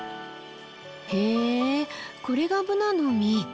へえこれがブナの実。